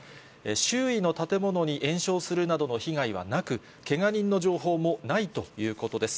周囲の建物に延焼するなどの被害はなく、けが人の情報もないということです。